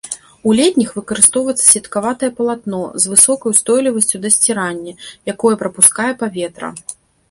У летніх выкарыстоўваецца сеткаватае палатно, з высокай устойлівасцю да сцірання, якое прапускае паветра.